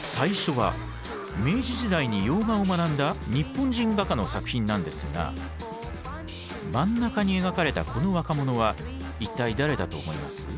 最初は明治時代に洋画を学んだ日本人画家の作品なんですが真ん中に描かれたこの若者は一体誰だと思います？